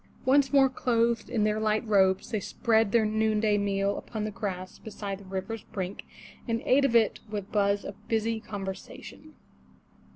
Once more clothed in their light robes, they spread their noonday meal upon the grass beside the river's brink, and ate of it with buzz of busy conversation.